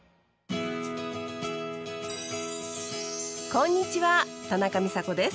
こんにちは田中美佐子です。